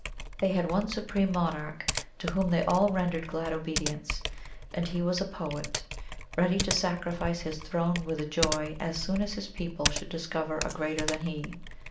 They had one supreme Monarch to whom they all rendered glad obedience; and he was a Poet, ready to sacrifice his throne with joy as soon as his people should discover a greater than he.